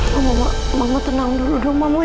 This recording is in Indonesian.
mama tenang dulu dong mama